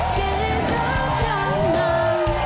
เกมรับท่านน้ำ